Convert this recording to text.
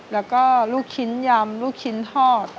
แล้วก็ลูกชิ้นยำลูกชิ้นทอด